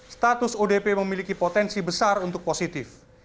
status odp memiliki potensi besar untuk positif